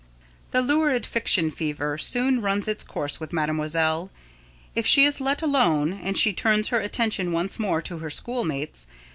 The lurid fiction fever soon runs its course with Mademoiselle, if she is let alone, and she turns her attention once more to her schoolmates.